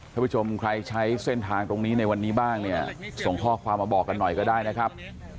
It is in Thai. ท่านผู้ชมใครใช้เส้นทางตรงนี้ในวันนี้บ้างเนี่ยส่งข้อความมาบอกกันหน่อยก็ได้นะครับ